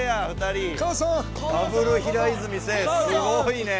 すごいね。